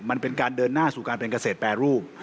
มันเป็นการเดินหน้าสู่การเป็นเกษตรแปรรูป